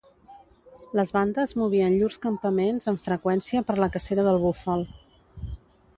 Les bandes movien llurs campaments amb freqüència per la cacera del búfal.